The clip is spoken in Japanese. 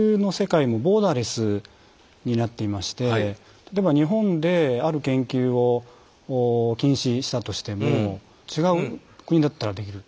例えば日本である研究を禁止したとしても違う国だったらできる。